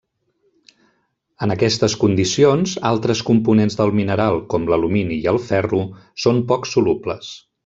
En aquestes condicions, altres components del mineral com l'alumini i el ferro són poc solubles.